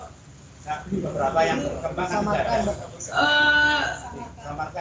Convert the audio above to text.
nah beberapa yang kembang